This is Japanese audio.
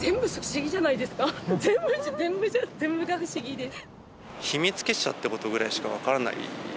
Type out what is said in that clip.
全部が不思議です。